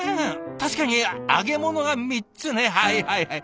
確かに揚げ物が３つねはいはいはい。